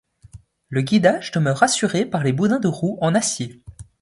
Le guidage demeure assuré par les boudins de roues en acier.